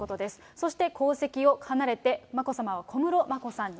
そして皇籍を離れて、眞子さまは小室眞子さんに。